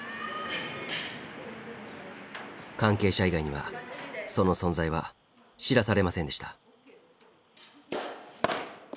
関係者以外にはその存在は知らされませんでした。